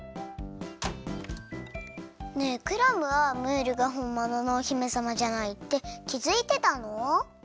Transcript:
ねえクラムはムールがほんもののお姫さまじゃないってきづいてたの？